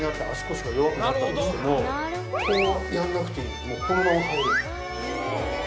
こうやらなくていい。